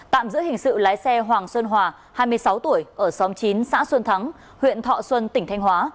tạm giữ hình sự lái xe hoàng xuân hòa hai mươi sáu tuổi ở xóm chín xã xuân thắng huyện thọ xuân tỉnh thanh hóa